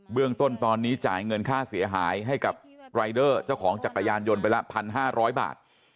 เรื่องต้นตอนนี้จ่ายเงินค่าเสียหายให้กับรายเดอร์เจ้าของจักรยานยนต์ไปละ๑๕๐๐บาท